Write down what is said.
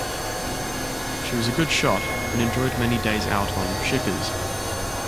She was a good shot and enjoyed many days out on 'Shikars'.